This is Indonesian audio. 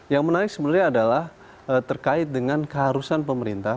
yang menarik sebenarnya adalah terkait dengan keharusan pemerintah